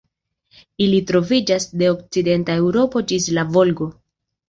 Ili troviĝas de okcidenta Eŭropo ĝis la Volgo.